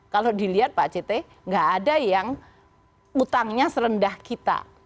kalau dilihat pak cete nggak ada yang utangnya serendah kita